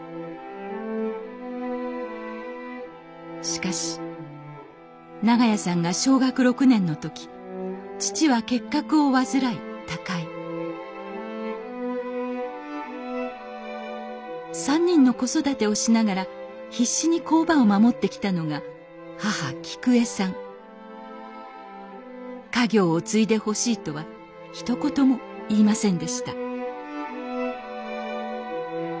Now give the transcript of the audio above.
しかし長屋さんが小学６年の時父は結核を患い他界３人の子育てをしながら必死に工場を守ってきたのが家業を継いでほしいとはひと言も言いませんでした